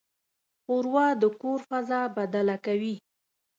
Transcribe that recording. ښوروا د کور فضا بدله کوي.